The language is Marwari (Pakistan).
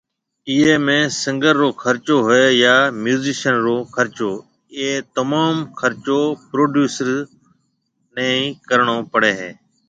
ايئي ۾ سنگر رو خرچو ھوئي يا ميوزيشن رو خرچو اي تموم خرچو پروڊيوسر ني ڪرڻو پڙي ھيَََ